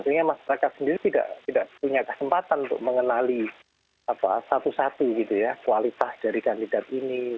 sehingga masyarakat sendiri tidak punya kesempatan untuk mengenali satu satu kualitas dari kandidat ini